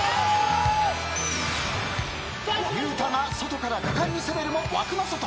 ゆうたが外から果敢に攻めるも枠の外。